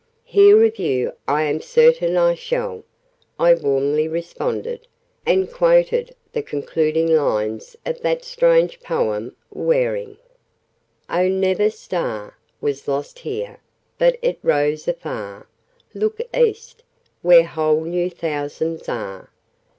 "Hear of you I am certain I shall!" I warmly responded, and quoted the concluding lines of that strange poem 'Waring': "Oh, never star Was lost here, but it rose afar Look East, where whole new thousands are!